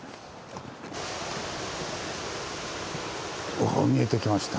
お見えてきました。